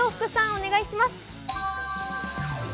お願いします。